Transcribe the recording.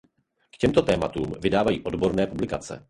K těmto tématům vydávají odborné publikace.